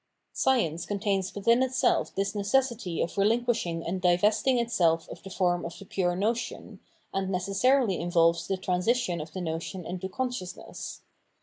Science contains withia itself this necessity of re linquishing and diyesting itself of the form of the pure notion, and necessarily iavolves the transition of the notion into consciousness.